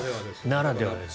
ならではですね。